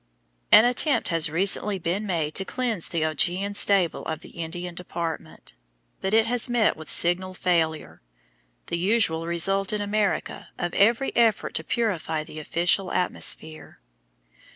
An attempt has recently been made to cleanse the Augean stable of the Indian Department, but it has met with signal failure, the usual result in America of every effort to purify the official atmosphere.